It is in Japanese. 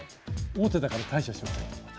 王手だから解除しますよ。